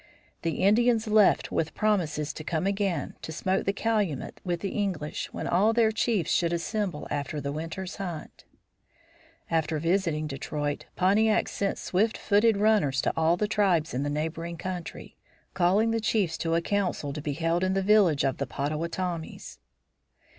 The Indians left with promises to come again to smoke the calumet with the English when all their chiefs should assemble after the winter's hunt. After visiting Detroit, Pontiac sent swift footed runners to all the tribes in the neighboring country, calling the chiefs to a council to be held in the village of the Pottawottomies.